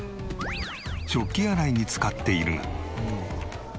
食器洗いに使っているが。